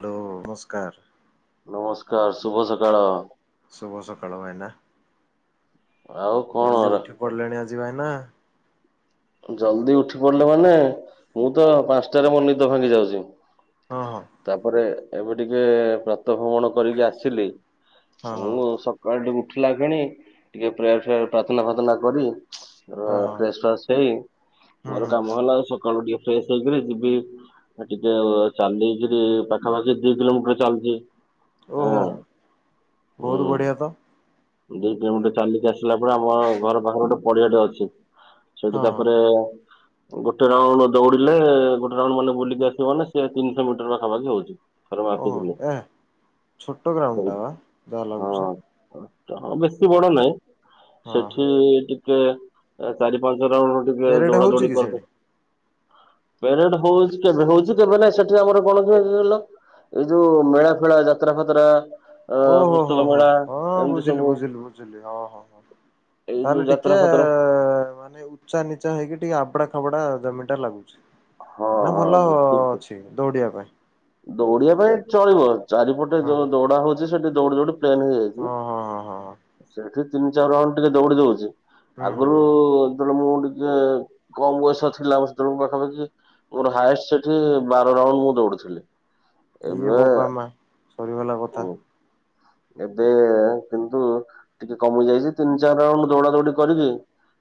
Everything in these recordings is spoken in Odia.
ହ୍ୟାଲୋ ଶୁଭ ନମସ୍କାର। ସକାଳ ଶୁଭ ସକାଳ ଭାଇନା ଆଉ ଜଲଦି କଣ ଉଠି ପଡିଲେଣି ଆଜି ଭାଇନା। ଜଲଦି ଉଠି ପଡିଲି ମାନେ ମୁଁ ତ ପାଞ୍ଚଟାରେ ମୋର ନିଦ ଭାଙ୍ଗି ଯାଉଚି। ହଁ ହଁ। ତାପରେ ଏବେ ଟିକେ ପ୍ରତ ଭ୍ରମଣ କରିକି ଆସିଲି ହଁ ମୁଁ ହଁ ସ କାଳୁ ଟିକେ ଉଠିଲା କିଣି ଟିକେ ପ୍ରେସେ ପ୍ରାର୍ଥନା ଫାର୍ଥନା କରି ହଁ ତାପରେ ହଁ ଫ୍ରେସ ଫାସ୍ ହେଇ ହୁଁ ମୋର ହୁଁ କାମ ହେଲା ଆଉ ସକାଳୁ ଟିକେ ଫ୍ରେଶ ହେଇକିରି ଯିବି ଏ ଟିକେ ଚାଲିିକିରି ପାଖାପାଖି ଦି କିଲୋମିଟର ଚାଲୁଚି ଆଁ। ବହୁତୁ ବଢ଼ିଆ ତ। ଦି କିଲୋମିଟର ଚାଲିକି ଆସିଲା ପରେ ଆମ ଘର ପାଖରେ ଗୋଟେ ପଡିଆଟେ ଅଛି ସେଠି ହଁ ହଁ ତାପରେ ଗୋଟେ ରାଉଣ୍ଡୁ ଦୌଡିଲେ ଗୋଟେ ରାଉଣ୍ଡୁ ମନେ ବୁଲିକି ଆସିବ ମାନେ ସେ ତିନିଶହ ମିଟର ପାଖାପାଖି ହୋଉଚି। ଥରେ ମାପି ଓହୋ ଥିଲି ଏ ଛୋଟ ଗ୍ରାଉଣ୍ଡ ଟା ବା ଯାହା ଲାଗୁଛି ହଁ। ହଁ ବେଶୀ ବଡ ନାହିଁ ହଁ ହଁ ସେଠି ଟିକେ ଚାରି ଏ ପାଞ୍ଚ ରାଉଣ୍ଡୁ ଟିକେ ପେରେଡ ଦୌଡ଼ା ହଉଛି ଦୌଡ଼ି କି ସେଇଠି? କରିଦେ ପେରେଡେ ହୋଉଛି କେବେ ହୋଉଚି କେବେ ନାଇ ସେଠି ଆମର କଣ କିହିଲ ଏଇ ଯୋଉ ମେଳା ଫେଳା ଯାତ୍ରା ଫାତ୍ରା ଅ ଓହୋ ହୋ ପୁସ୍ତକ ହୋ ମେଳା ହଁ ଏମିତି ବୁଝିଲି ସବୁ ବୁଝିଲି ବୁଝିଲି ହଁ ହଁ ହଁ ହଉ ଏଇ ଯୋଉ ତାହେଲେ ଟିକେ ଯାତ୍ରା ଆ ଫାତ୍ରା ମାନେ ଉଚ୍ଚା ନିଚା ହେଇକି ଟିକେ ଆବଡା ଖାବଡା ଜମି ଟା ଲାଗୁଛି। ହଁ ନା ହଁ ଭଲ ବୁଝିଲି ଅଛି ଦୌଡିବା ପାଇଁ। ଦୌଡିବା ପାଇଁ ଚଳିବ ଚାରିପଟେ ହଁ ଯୋଉ ହଁ ଦୌଡା ହୋଉଚି ସେଠି ଦୌଡି ଦୌଡି ଟେନ ହେଇଯାଇଛି ହଁ ହଁ ହଁ ହଁ ସେଠି ତିନି ଚାରି ରାଉଣ୍ଡୁ ଟିକେ ଦୌଡି ଦୋଉଚି ହୁଁ ଆଗରୁ ହୁଁ। ଯେତେବେଳେ ମୁଁ ଟିକେ କମ ବୟସ ଥିଲା ବ ସେତେବେଳେ ମୁଁ ପାଖାପାଖି ମୋର ହାଏଷ୍ଟେ ସେଠି ବାର ରାଉଣ୍ଡୁ ମୁଁ ଦୌଡିଥିଲି। ଇଏ ଏବେ ବୋପ ମା ସରି ଗଲା କଥା। ଏବେ କିନ୍ତୁ ଟିକେ କମି ଯାଇଚି ତିନି ଚାରି ରାଉଣ୍ଡ ଦୌଡା ଦୌଡି କରିକି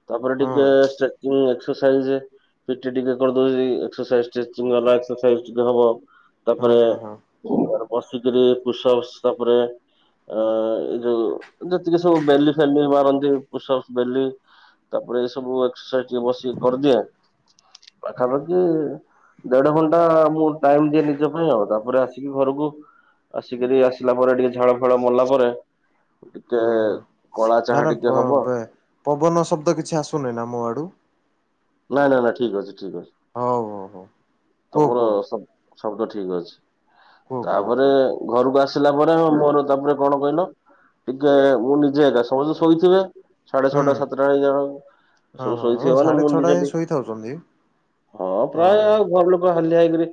ତାପରେ ହଁ ଟିକେ ଚେକିଂ ଏକ୍ସ ଟୋ ସାଇଯେ ପି ଟି ଟିକେ କରିଦଉଯି ଏକ୍ସରସାଇଜ ଷ୍ଟ୍ରେଚିଂ ଏକ୍ସରସାଇଜ ଟିକେ ହବ ହଁ ତାପରେ ହଁ ହଁ ମୁଁ ମୋର ବସିକରି ପୁଷପ୍ସ ତାପରେ ଅ ଏ ଯୋଉ ଯେତିକି ସବୁ ବେଲି ଫେଲି ମାରନ୍ତି ପୁ ବେଲି ତାପରେ ଏଇ ସବୁ ଏକ୍ସରସାଇଜ ଟିକେ ବସିକ କରିଦିଏ ପାଖାପାଖି ଦେଢ ଘଣ୍ଟା ମୁଁ ଟାଇମ୍ ଦିଏ ନିଜ ପାଇଁ ଆଉ ତାପରେ ଆସିକି ଘରକୁ ଆସିକିରି ଆସିଲା ପରେ ଟିକେ ଝାଳ ଫେଳ ମଲା ପରେ ଟିକେ କଳା ଚାହା ଭାଇନା ଟିକେ ପ ହବ ବେ ପବନ ଶବ୍ଦ କିଛି ଆସୁନି ନା ମୋ ଆଡୁ? ନାଇଁ ନାଇଁ ନାଇଁ ଠିକ୍ ଅଛି ଠିକ୍ ଅଛି ହଉ ହଉ ହଉ। କୁହ ତମର କୁହ ଶବ୍ଦ ଠିକ୍ ଅଛି। କୁହ କୁହ ତାପରେ କୁହ ଘରକୁ ଆସିଲା ପରେ ମୋର ତାପରେ କଣ କଇଲ? ଟିକେ ମୁଁ ନିଜେ ଆକା ସମସ୍ତେ ଶୋଇଥିବେ ସାଢେ ହୁଁ ଛଅଟା ସାତଟା ହେଇଯାଏ। ହଁ ସବୁ ହଁ ଓ ସୋଇଥିବେ ମାନେ ସାଢେ ମୁଁ ଛଅଟା ନିଜେ ଯାଏ ଟି ଶୋଇଥାଉଛନ୍ତି। ହଁ ପ୍ରାୟେ ଆଉ ଭଲ। ବ ହାଲିଆ ହେଇକିରି।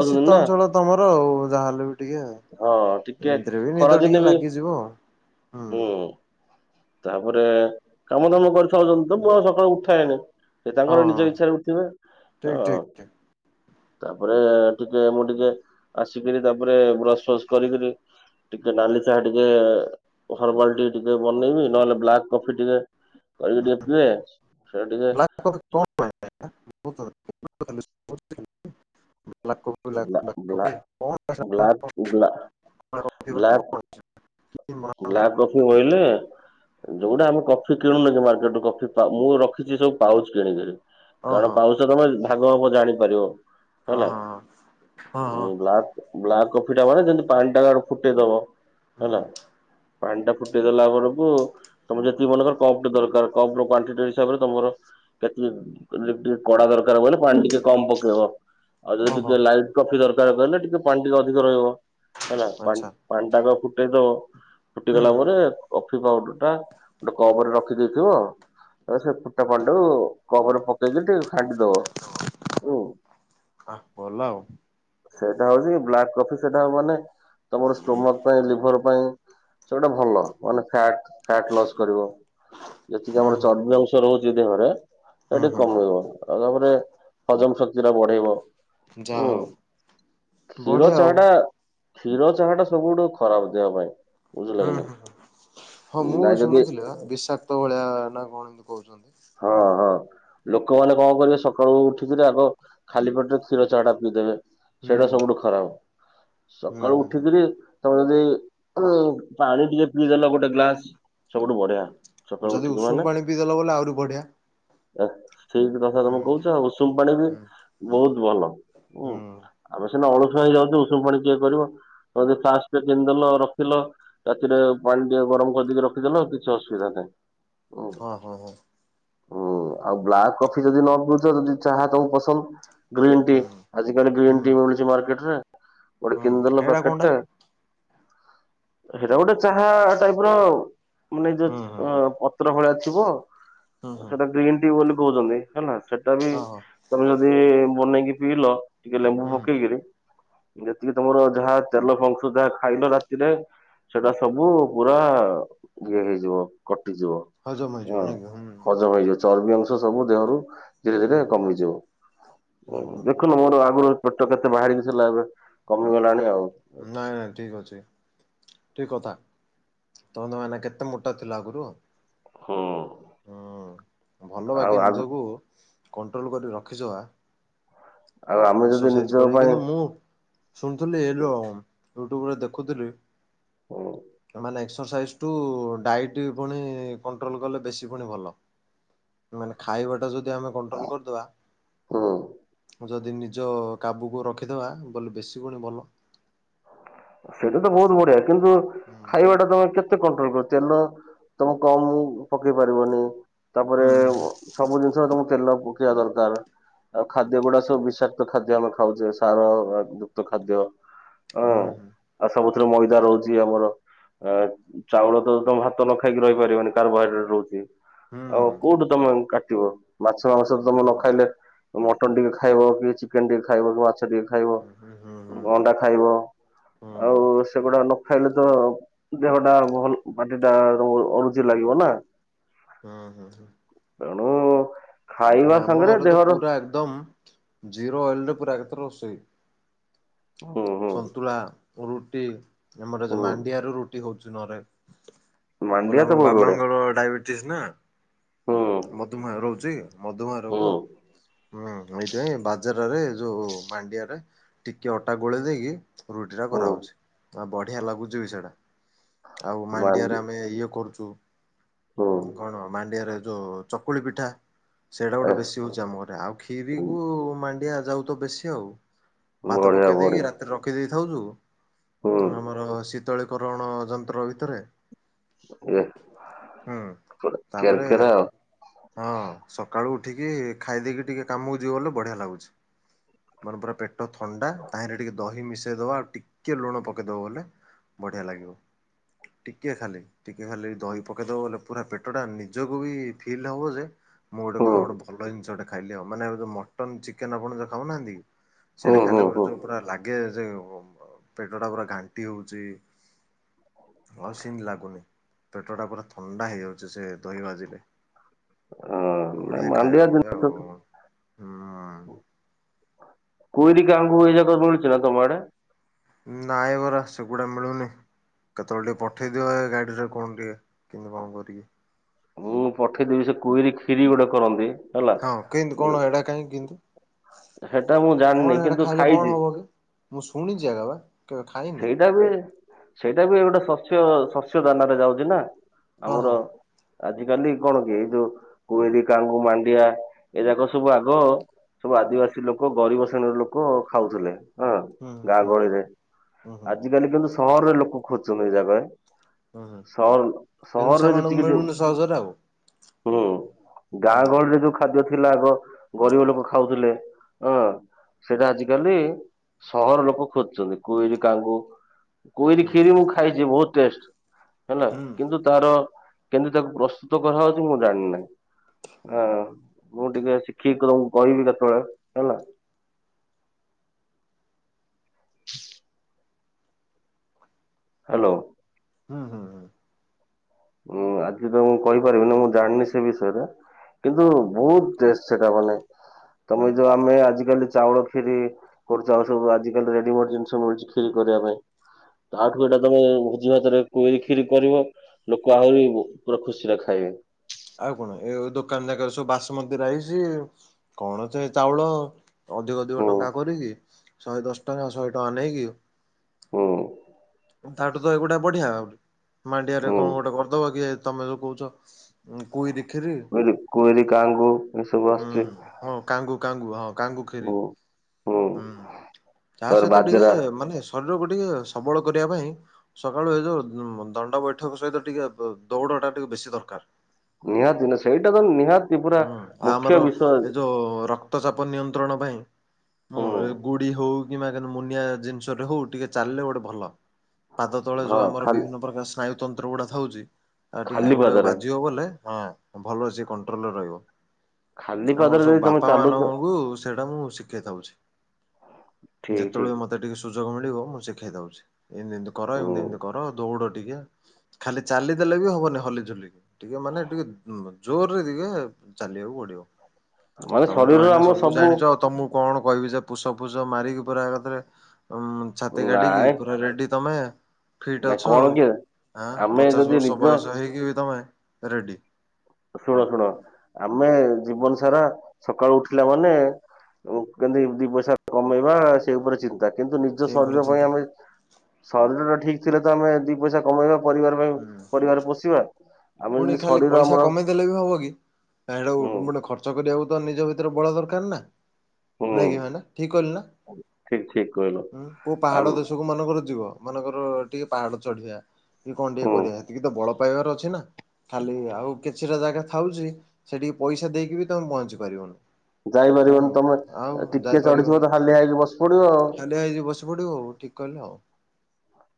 ଏ ଶୀତ ନା ଅଞ୍ଚଳ ତମର ଆଉ ଯାହାହେଲେ ବି ଟିକେ ଆଉ। ହଁ ଟିକେ ଏମିତିରେ ବି ଖରା ନିଦ ଦିନେ ଟିକେ ବି ଲାଗିଯିବ ହଁ। ହୁଁ ତାପରେ କାମ ଦାମ କରିଥାଅନ୍ତି ତ ମୁଁ ଆଉ ସକାଳୁ ଉଠାଏ ନି। ସିଏ ହଁ ତାଙ୍କର ନିଜ ଇଚ୍ଛାରେ ଉଠିବେ ଠିକ ହଁ। ଠିକ ଠିକ। ତାପରେ ଟିକେ ମୁଁ ଟିକେ ଆସିକିରି ତାପରେ ବ୍ରସ୍ ଫସ୍ କରିକିରି ଟିକେ ନାଲି ଚାହା ଟିକେ [inaudible] ଟିକେ ବନେଇବି ନହେଲେ ବ୍ଲାକ୍ କଫି ଟିକେ କରିକି ଟିକେ ପିଇେ ଚାହା ଟିକିଏ। [inaudible] [inaudible] Black coffee black blah blah coffee କଣ blah blah black black coffee ବୋଇଲେ ଯୋଉଟା ଆମେ କଫି କିଣୁନୁ କି ମାର୍କେଟୁ କଫି ପା ମୁଁ ରଖିଚି ସବୁ ପାଉଚ୍ କିଣିକିରି। କାରଣ ଓହୋ ପାଉଚ୍ ଟା ତମେ ଭାଗ ମାପ ଜାଣିପାରିବ। ହଁ ହଁ ହଁ। ବ୍ଲା ବ୍ଲାକ୍ କଫି ଟା ମାନେ ଯେମିତି ପାଣି ଟା ଆଗେ ଫୁଟେଇଦବ ହଁ ହେଲା ପାଣି ଟା ଫୁଟିଦେଲା ବରକୁ ତମ ଯେତିକ ମନେକର କପ୍ ଟେ ଦରକାର କପ ର କ୍ୱାଣ୍ଟି ଟି ହିସାବରେ ତମର କେତିକି ଟିକେ କଡା ଦର୍କାର ବଲେ ପାଣି ଟିକେ କମ୍ ପକେଇବ ଆଉ ଯଦି ଟିକ୍ ଓହୋ ଟିକେ ଲାଇଟ୍ କଫି ଦର୍କାର୍ କହିଲେ ଟିକେ ପାଣି ଟିକେ ଅଧିକ ରହିବ ହେଲା। ଆଚ୍ଛା ପାଣିଟାକୁ ଫୁଟେଇ ଦବ ଫୁଟିଗଲା ପରେ କଫି ପାଉଡର୍ ଟା ଗୋଟେ କପ୍ ରେ ରଖିଦେଇଥିବ। ତାପରେ ସେ ଫୁଟା ପାଣି ଟାକୁ କପ୍ ରେ ପକେଇକି ଟିକେ ଘାଣ୍ଟି ଦବ ଉୁଁ। ଆ ଭଲ ଆଉ। ସେଇଟା ହଉଚି ବ୍ଲାକ୍ କଫି ସେଟା ହବ ମାନେ ତମର ଷ୍ଟୋମକ୍ ପାଇଁ ଲିଭର୍ ପାଇଁ ସେଗୁଡା ଭଲ। ମାନେ ଫ୍ୟାଟ୍ ଫ୍ୟାଟ୍ ଲସ୍ କରିବ ଯେତିକି ହୁଁ ଆମର ହୁଁ ଚର୍ବି ଅଂଶ ରହୁଚି ଦେହରେ। ହୁଁ ସେଠି ହୁଁ କମେଇବ ଆଉ ତାପରେ ହଜମ ଶକ୍ତି ଟା ବଢେଇବ। ଯାହା ଉଁ ହଉ କ୍ଷୀର ବଢିଆ ଆଉ ଚା ଟା କ୍ଷୀର ଚାହା ଟା ସବୁଠୁ ଖରାପ୍ ଦେହ ପାଇଁ। ବୁଝିଲ ହୁଁ କି ନାଇଁ ହୁଁ ହୁଁ। ହଁ ମୁଁ ନାଇଁ ଯଦି ଶୁଣୁଥିଲି ବା ବିଷାକ୍ତ ଭଳିଆ ନା କଣ ଏମିତି କହୁଚନ୍ତି। ହଁ ହଁ। ଲୋକମାନେ କଣ କରିବେ ସକାଳୁ ଉଠିକିରି ଆଗ ଖାଲି ପେଟରେ କ୍ଷୀର ଚାହା ଟା ପିଇଦେବେ। ହୁଁ ସେଇଟା ସବୁଠୁ ଖରାପ୍। ହୁଁ ସକାଳୁ ହୁଁ ହୁଁ ଉଠିକିରି ତମେ ଯଦି ଉଁ ପାଣି ଟିକେ ପିଇଦେଲେ ଗୋଟେ ଗ୍ଲାସ୍ ସବୁଠୁ ବଢିଆ। ସକାଳୁ ଯଦି ଉଠିକି ମାନେ ଉଷୁମ୍ ପାଣି ପିଇ ଦେଲା ବୋଲେ ଆହୁରି ବଢ଼ିଆ। ଏ ଠିକ୍ ତଥା ତମେ କହୁଚ ଆଉ ଉଷୁମ୍ ପାଣି ବି ହୁଁ ବହୁତ୍ ଭଲ ଉଁ। ହୁଁ ଆମେ ସିନା ଅଳୁସୁଆ ହେଇଯାଉଚୁ ଉଷୁମ୍ ପାଣି କିଏ କରିବ ଗୋଟେ ଯଦି ଫାସ୍ ଟେ କିଣିଦେଲ ରଖିଲ। ରାତିରେ ପାଣି ଟିକେ ଗରମ କରିଦେଇକି ରଖିଦେଲ କିଛି ଅସୁବିଧା ନାହିଁ। ହୁଁ ହଁ ହଁ ହଉ। ହୁଁ ଆଉ ବ୍ଲାକ୍ କଫି ଯଦି ନ ପିଉଛ, ଯଦି ଚାହା ତମକୁ ପସନ୍ଦ। ଗ୍ରୀନ୍ ଟି ହୁଁ ଆଜି କାଲି ଗ୍ରୀନ୍ ହୁଁ ଟି ମିଳୁଛି ମାର୍କେଟରେ, ଗୋଟେ ହୁଁ କିନ୍ଦେଲ ହେଇଟା କଣଟା ପ୍ୟାକେଟ୍ଟା। ସେଇଟା ଗୋଟେ ଚାହା ଟାଇପ୍ର ଆଉ ମାନେ ଯେ ହୁଁ ହୁଁ ହୁଁ ଅ-ପତ୍ର ଭଳିଆ ଥିବ। ହୁଁ ହୁଁ ସେଟା ଗ୍ରୀନ ଟି ବୋଲି କହୁଛନ୍ତି ହେଲା, ସେଟା ବି ହଁ ହଁ ତମେ ଯଦି ବନେଇକି ପିଇଲ ଟିକେ ଲେମ୍ବୁ ହୁଁ ପକେଇକିରି ଯେତିକି ତମର ଯାହା ତେଲ ଖାଉଚ ଯାହା ଖାଇଲ ରାତିରେ ସେଟା ସବୁ ପୁରା ଇଏ ହେଇଯିବ କଟିଯିବ। ହଜର ହଁ। ହେଇଯିବ ନାଁ କି? ହଜମ ହେଇଯିବ ଚର୍ବି ଅଂଶ ସବୁ ଦେହରୁ ଧିରେ ଧିରେ ହୁଁ କମିଯିବ। ହୁଁ ହୁଁ ହୁଁ ଦେଖୁନ ମୋର ଆଗରୁ ପେଟ କେତେ ବାହାରିକି ଥିଲା ଏବେ କମିଗଲାଣି ଆଉ। ନାଇଁ ନାଇଁ ଠିକ୍ ଅଛି। ଠିକ୍ କଥା। ତା ମାନେ ତମେ କେତେ ମୋଟା ଥିଲ ଆଗରୁ? ହୁଁ। ଭଲ। ଆଉ ବାକି ଆଉ ନିଜକୁ କଣ୍ଟ୍ରୋଲ କରି ରଖିଛ ବା। ଆମେ ଯଦି ଏକ୍ସର୍ସାଇଜ ନିଜ କରି କିନ୍ତୁ ପାଇଁ ମୁଁ ଶୁଣୁଥିଲି ଏ ଯୋଉ ୟୁଟ୍ୟୁବରେ ଦେଖୁଥିଲି। ହୁଁ ମାନେ ଏକ୍ସରସାଇଜ୍ ଟୁ ଡାଇଟ୍ ପୁଣି କଣ୍ଟ୍ରୋଲ୍ କଲେ ବେଶି ପୁଣି ଭଲ। ମାନେ ଖାଇବାଟା ଯଦି ଆମେ କଣ୍ଟ୍ରୋଲ କରିଦବା। ହୁଁ ଯଦି ନି ଜ କାବୁକୁ ରଖିଦେବା ବ-ବେଶି ଗୁଣ ଭଲ। ସେଇଟା ତ ବହୁତ ବଢିଆ କିନ୍ତୁ ହୁଁ ଖାଇବାଟା ତମେ କେ ତେ କଣ୍ଟ୍ରୋଲ କର। ତେଲ ତମ କମ୍ ପକେଇ ପାରିବନି। ତା ପରେ ସବୁ ଜିନିଷରେ ତମକୁ ତେଲ ପକେଇବା ଦରକାର। ଆଉ ଖାଦ୍ୟ ଗୁଡା ସବୁ ବିଷାକ୍ତ ଖାଦ୍ୟ ଆମେ ଖାଉଛେ, ସାର ଯୁକ୍ତ ଖାଦ୍ୟ। ଅଁ ହୁଁ ଆଉ ସବୁଥିରେ ମଇଦା ରହୁଛି। ଆମର ଆ ଚାଉଳ ତ ତମ ଭାତ ନ ଖାଇକି ରହିପାରିବନି, କାର୍ବୋହାଇଡ୍ରେଟ୍ ରହୁଛି। ହୁଁ ହୁଁ ଆଉ କୋଉଠୁ ତମେ କାଟିବ? ମାଛ ମାଂସ ତମେ ନ ଖାଇଲେ ମଟନ ଟିକେ ଖାଇବ, କି ଚିକେନ ଟିକେ ଖାଇବ, କି ମାଛ ଟିକେ ଖାଇବ, ହୁଁ ହୁଁ ହୁଁ ହୁଁ ହୁଁ ହୁଁ ହୁଁ ଅଣ୍ଡା ଖାଇବ? ଆଉ ସେଗୁଡା ନ ଖାଇଲେ ତ। ଦେହଟା ଭ-ଭଲ ବଡିଟା ଅରୁଚି ଲାଗିବ ନାଁ। ହଁ ହଁ ହଁ। ତେଣୁ ଖାଇବା ନାଁ ଆମ ସାଙ୍ଗରେ ଘରେ ତ ଦେହର ପୁରା ଏକଦମ୍ ଜିରୋ ଅଏଲରେ ପୁରା ଏକଥରେ ରୋଷେଇ। ହୁଁ ହୁଁ ସନ୍ତୁଳା, ରୁଟି, ଆମର ହୁଁ ଯୋ-ମାଣ୍ଡିଆରେ ରୁଟି ହଉଛି ନ ହେଲେ ମାଣ୍ଡିଆ ବୋଲେ ତ ଆମ ବହୁତ ବଢିଆ ବାବାଙ୍କର ଡାଇବେଟିସ୍ ନା ହୁଁ ମଧୁମେହ ରହୁଛି ମଧୁମେହ ହୁଁ ରୋଗ। ହୁଁ। ଏଇଥିପାଇଁ ବାଜାରରେ ଯୋଉ ମାଣ୍ଡିଆରେ ଟିକେ ଅଟା ଗୋଳେଇ ଦେଇକି ରୁଟି ଟା ହୁଁ କରାହେଉଛି। ଆଉ ବଢିଆ ଲାଗୁଛି ବି ସେଟା। ଆଉ ମାଣ୍ଡି ମାଣ୍ଡିଆରେ ଆମେ ଇଏ କରୁଚୁ ହୁଁ। କଣ ମାଣ୍ଡିଆରେ ଯୋଉ ଚକୁଳି ପିଠା, ସେଇଟା ଗୋଟେ ଏ ବେଶି ହଉଛି ଆମ ଘରେ। ଆଉ କ୍ଷୀରିକୁ ମାଣ୍ଡିଆ ଜାଉ ତ ବେଶି ଆଉ। ଭାତ ବଢିଆ ପକେଇ ଦେଇକି ବଢିଆ ରା ରଖି ଦେଇଥାଉ ହୁଁ ଯୋଉ ଆମର ଶୀତଳୀକରଣ ଯନ୍ତ୍ର ଭିତରେ ଏ ହୁଁ ତାପରେ। କେରକେରା ହଁ ସକାଳୁ ଉଠିକି ଖାଇ ଦେଇକି ଟିକେ କାମକୁ ଯିବ ବଲେ ବଢିଆ ଲାଗୁଛି। ମରେ ପୁରା ପେଟ ଥଣ୍ଡା ତାହିରେ ଟିକେ ଦହି ମିଶେଇ ଦବା ଆଉ ଟିକେ ଲୁଣ ପକେଇଦବା ବଲେ। ବଢିଆ ଲାଗିବ। ଟିକେ ଖାଲି ଟିକେ ଖାଲି ଦହି ପକେଇଦବ ବଲେ ପୁରା ପେଟଟା ନିଜକୁ ବି। ଫିଲ୍ ହବ ଯେ ମୁଁ ଗୋଟେ ଆଉ। କଣ ଗୋଟ ଭଲ ଜିନିଷଟା। ଖାଇଲେ ହବ ମାନେ ଯଉ ମଟନ, ଚିକେନ ଆପଣ ଯୋଉ ଖାଉନାହାନ୍ତି ହୁଁ ସେଇଟା ହୁଁ ହୁଁ ଖାଇଲା ପରେ ହୁଁ ଯେଉପରା ଲାଗି। ଗେସ ଯେ ପେଟଟା ପୁରା ଘାଣ୍ଟି ହଉଛି। ହଁ ସିମି ଲାଗୁନି ପେଟ ଟା ପୁରା ଥଣ୍ଡା ହେଇଯାଉଛି ସେ ଦହି ବାଜିଲେ। ହଁ। ନାଇଁ ବଢିଆ ମାଣ୍ଡିଆ ଖାଇବା ବଢିଆ ଜିନିଷ ଆଉ ହୁଁ। କୋଇଲି କାହାଙ୍କୁ ଇଏ ଯାକ ବୁଲୁଚି ନା ତମ ଆଡେ। ନା ବରା ସେଗୁଡ଼ା ମିଳୁନି। କେତେବେଳେ ଟିକେ ପଠେଇ ଦିଅ ଏ ଗାଡିରେ କଣ ଟିକେ କେମିତି କଣ କରିକି। ମୁଁ ପଠେଇଦେବି ସେ କୋଇରି କ୍ଷୀରି ଗୋଟେ କରନ୍ତି। ହେଲା। ହଁ କେମିତି କଣ ଏଇଟା କାହିଁ କିନ୍ତି। ସେଟା ମୁଁ କଣ ଜାଣିନି ସେଟା କିନ୍ତୁ ଖାଇଲେ କଣ ଖାଇଛି ହବ କି ମୁଁ ଶୁଣିଛି ଏଗା ବା। କେବେ ଖାଇନି ସେଇଟା ବି ସେଇଟା ବି ଗୋଟେ ଶସ୍ୟ ଶସ୍ୟ ଦାନାରେ ଯାଉଛି ନା। ହଁ ଆମର। ହଁ ଆଜି କାଲି କଣ କି ଏଇ ଯୋଉ କୋଇଲି କାଙ୍ଗୁ ମାଣ୍ଡିଆ ଏ ଯାକ ସବୁ ଆଗ। ସବୁ ଆଦିବାସୀ ଲୋକ ଗରିବ ଶ୍ରେଣୀର ଲୋକ ଖାଉଥିଲେ ହଁ ହୁଁ ଗାଁ ହୁଁ ଗହଳିରେ। ହୁଁ ହୁଁ ଆଜି କାଲି କିନ୍ତୁ ସହରେ ଲୋକ ଖୋଜୁଛନ୍ତି ଏଇ ଜାଗାଏ। ହୁଁ ହୁଁ। ସହଉ କିନ୍ତୁ ସହରରେ ସେମାନଙ୍କୁ ଯେତିିକି ଯୋଉ। ମିଳୁନି ସହଜରେ ଆଉ ହୁଁ ହୁଁ ଗାଁ ଗହଳିରେ ଯୋଉ ଖା। ଖାଦ୍ୟ ଥିଲା ଆଗ ଗରିବ ଲୋକ ଖାଉଥିଲେ ହଁ ସେଟା ଆଜିକାଲି। ସହର ଲୋକ ଖୋଜୁଛନ୍ତି। କୋଇରି କାଙ୍ଗୁ କୋଇରି ହୁଁ ହୁଁ କ୍ଷିରି ମୁଁ ଖାଇଛି ବହୁତ ଟେଷ୍ଟ ହେଲା ହୁଁ କିନ୍ତୁ। ତାର କେମିତି ତାକୁ ପ୍ରସ୍ତୁତ କରାହଉଛି ମୁଁ ଜାଣିନାହିଁ। ହଁ ମୁଁ ଟିକେ ଶିଖିକି ତମକୁ କହିବି କେତେବେଳେ ହେଲା। [unintelligible] ହାଲୋ। ହୁଁ ହୁଁ ହୁଁ। ଉଁ ଆଜି ତ ମୁଁ କହିପାରିବିନି ମୁଁ ଜାଣିନି ସେ ବିଷୟରେ କିନ୍ତୁ ବହୁତ୍ ଟେଷ୍ଟ। ସେଟା ଭଲନାହିଁ ତମେ ଯୋଉ ଆମେ ଆଜିକାଲି ଚାଉଳ କ୍ଷିରି। କରୁଛ ଆଉ ସବୁ ଆଜିିକାଲି ରେଡିମେଡି ଜିନିଷ ମିଳୁଛି କ୍ଷୀରି କରିବା ପାଇଁ। ତା ଆଠୁ ଏଟା ତମେ ଭୋଜି ଭାତରେ କୋଇରି କ୍ଷୀରି କରିବ। ଲୋକ ଆହୁରି ବୁ ପୁରା ଖୁସି ରେ ଖାଇବେ। ଆଉ କଣ ଏ ଦୋକାନ ଯାକର ସବୁ ବାସୁମତୀ ରାଇସି କଣ ଚେ ଚାଉଳ। ଅଧିକ, ଅଧିକ ହୁଁ ଟଙ୍କା କରିଚି ଶହେ ଦଶ ଟଙ୍କା ଶହେ ଟଙ୍କା ନେଇକି। ହୁଁ। ତାଠୁ ତ ଏଗୁଡା ବଢିଆ ତ ମାଣ୍ଡିଆରେ ହୁଁ କଣ ଗୋଟେ କରିଦବ କି ତମେ ଯୋଉ କହୁଛ କୋଇରି ଖିରି। ଖିରି କୋଇରି କାଙ୍ଗୁ। ଏସବୁ ହୁଁ ଆସୁଛି ହଁ କାଙ୍ଗୁ, କାଙ୍ଗୁ ହଁ କାଙ୍ଗୁ ଖିରି। ହୁଁ ହୁଁ, ହୁଁ ତା ତାପରେ ସହିତ ଟିକେ ବାଜରା ମାନେ ଶରୀରକୁ ଟିକେ ସବଳ କରିବା ପାଇଁ ସକାଳୁ ଏ ଯୋଉ ଦଣ୍ଡ ବୈଠକ ସହିତ ଟିକେ ପ ଦୌଡ ଟା ଟିକେ ବେଶୀ ଦରକାର। ନିହାତି ନା ସେଇଟା ତ ନିହାତ ହୁଁ ଆମର ଏ ଯୋଉ ରକ୍ତ ରକ୍ତ ଚାପ ନିୟନ୍ତ୍ରଣ ପାଇଁ, ମୁଁ ହୁଁ ଉ ଗୁଡି ହଉ, ଇମାଜନ ମୁନିଆ ଜିନିଷଟେ ହଉ ଟିକେ ଚାଲିଲେ ଗୋଟେ ଭଲ। ପାଦ ତଳେ ଯୋଉ ହଁ ଆମର ଖାଲି ବିଭିନ୍ନ ପ୍ରକାର ସି ବାୟୁତନ୍ତ୍ର ଗୁଡା ଥାଉଛି ଆ ଟିକେ ଖାଲି ସେଗୁଡା ପାଦରେ ବାଜିବ ବଲେ ହଁ ଭଲ ଅଛି [unintelligible] ଟୋଲ ରହିବ। ଖାଲି ଆମର ପାଦରେ ସବୁ ଯଦି ତମେ ବାପା ଚାଲୁଛ ମାନଙ୍କୁ ସେଇଟା ମୁଁ ଶିଖେଇ ଦଉଛି। ଠିକ୍, ଠିକ୍। ମତେ ଟିକେ ସୁଯୋଗ ମିଳିବ ମୁଁ ଶିଖେଇ ଦଉଛି। ଏମିତି, ଏମିତି କର ହୁଁ ଏମିତି ଏ, ମିତି କର ଦୌଡ ଟିକେ, ଖାଲି ଚାଲିଦେଲେ ହବନି ହଲିଝୁଲିକି, ଟିକେ ମାନେ ଟିକେ ଜୋରେ ଜୋରେ ଟିକେ ଚାଲିବାକୁ ପଡିବ। ମାନେ ତମେ ତ ଶରୀରର ଭାଇନା ଆମ ସବୁ ଜାଣିଛ, ତମକୁ କଣ କହିବି ଯେ ପୁସ ଫୁସ ମାରିକି ପୁରାଏକାଥରେ ଛାତି କାଢିକି ନାଇଁ ପୁରା ରେଡି ତମେ, ଫିଟ୍ ନାଇଁ ଅଛ କଣ ଆଉ, କି ଆ ଆମେ ପଚାଶ ଯଦି ବର୍ଷ ନିଜ ବୟସ ହେଇକି ବି ତମେ ରେଡ଼ି। ଶୁଣ, ଶୁଣ ଆମେ ଜୀବନ ସାରା ସକାଳୁ ଉଠିଲା ମାନେ କେମିତି ଦି ପଇସା କମେଇବା ସେ ଉପରେ ଚିନ ଚିନ୍ତା। କିନ୍ତୁ ନିଜ ସେଇ ଉପରେ ଶରୀର ପାଇଁ ଚିନ୍ତା। ଆମେ ଶରୀର ଟା ଠିକ ଥିଲେ ତ ଆମେ ଦି ପଇସା କମେଇବା ପରିବାର ପାଇଁ ହୁଁ ପରିବାର ପୋଷିବା। ଆମେ ପୁଣି ଯଦି ଖାଲି ଶରୀର ପଇସା ଆମର କମେଇ ଦେଲେ ବି ହବ କି ସେଟା ହୁଁ ଗୋଟେ ଖର୍ଚ୍ଚ କରିବାକୁ ତ ନିଜ ଭିତରେ ବଳ ଦରକାର ନା, ହୁଁ ନାଇଁ କି ଭାଇନା ଠିକ କହିଲି ଠିକ ଠିକ କହିଲ ନାଁ, କୋଉ ଆମ ପାହାଡ ଦେଶକୁ କୋଉ ମାନଙ୍କର ଯିବ, ମାନଙ୍କର ଟିକେ ପାହାଡ ଚଢିବା କି କଣ ଟିକିଏ ହୁଁ କରିବା ସେତିକି ତ ବଳ ପାଇବାର ଅଛି ନା, ଖାଲି ଆଉ କିଛିଟା ଜାଗା ଥାଉଛି ସେଠିକି ପଇସା ଦେଇକି ବି ତମେ ପହଞ୍ଚି ପାରିବନି। ହୁଁ ଯାଇପାରିବନି ତମେ ଆଉ ଟିକେ ଚଢିଥିବ ଯାଇପାରିବନି। ତ ହାଲିଆ ହେଇକି ବସି ପଡିବ ଆଉ ହାଲିଆ ହେଇକି ବଶି ପଡିବ। ହଉ ଠିକ କହିଲେ ଆଉ।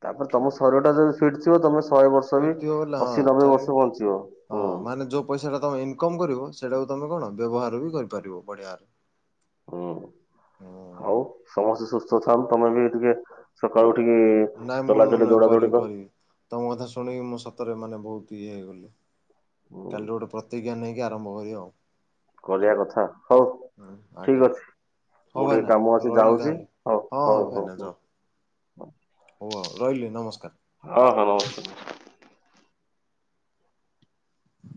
ତାପରେ ତମ ଶରୀର ଟା ଯଦି ଫିଟ୍ ଥିବ, ତମେ ଶହେ ବର୍ଷ ବି ଫିରଥିବ ବୋଲେ ହଁ ଅଶୀ ନବେ ଚାଲିବ। ବର୍ଷ ବଞ୍ଚିବ। ହଁ ହୁଁ ମାନେ ଯୋଉ ପଇସା ଟା ତମେ ଇନକମ କରିବ ସେଇଟାକୁ ତମେ କଣ ବ୍ୟବହାର ବି କରିପାରିବ ବଢିଆରେ। ହୁଁ ଆଉ ହୁଁ ସମସ୍ତେ ସୁସ୍ଥ ଥାନ୍ତୁ। ତମେ ବି ଟିକେ ସକାଳୁ ଉଠିକି ନାଇଁ ମୁଁ ଚଲାଚଲି ନାଇଁ ଦୌଡା କରିବି ଦୌଡିକର। କରିବି। ତମ କଥା ଶୁଣିକି ମୁଁ ସତରେ ମାନେ ବହୁତ ଇଏ ହେଇଗଲି। ହୁଁ କାଲି ଗୋଟେ ପ୍ରତିଜ୍ଞା ନେଇକି ଆରମ୍ଭ କରିିବା ଆଉ। କରିବା କଥା, ହଉ ହୁଁ ଆଜ୍ଞା। ଠିକ ଅଛି। ହଉ ମୁଁ ଟିକେ ଭାଇନା କାମ ଅଛି ରହିଲି ଯାଉଛି। ତାହେଲେ ହଉ, ହଁ ହଁ ହଉ, ହଉ, ଭାଇନା ଯଅ ହଉ। ହଉ ଆଉ ରହିଲି ନମସ୍କାର। ହଁ, ହଁ ନମସ୍କାର।